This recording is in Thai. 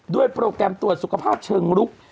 โปรแกรมตรวจสุขภาพเชิงลุก